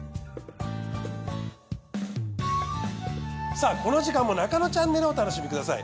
さぁこの時間も『ナカノチャンネル』をお楽しみください。